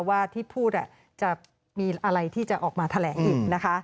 ว่าที่พูดจะมีอะไรที่จะออกมาแถลงอีกนะคะ